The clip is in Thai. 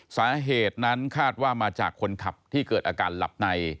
สาเหตุนั้นคาดว่ามาจากคนขับที่เกิดอาการหลับใน